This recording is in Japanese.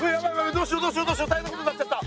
どうしようどうしよう大変なことになっちゃった。